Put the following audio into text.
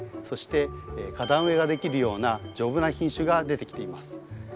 そして花壇植えができるような丈夫な品種が出てきています。